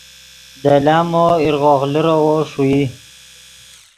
دے لامو ایرغوغ لیروّو ݰوئی